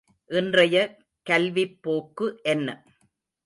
இன்றைய கல்விப் போக்கு என்ன?